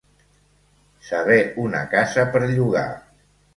Saber una casa per llogar.